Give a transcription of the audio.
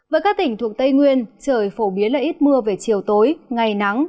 với các tỉnh thuộc tây nguyên trời phổ biến là ít mưa về chiều tối ngày nắng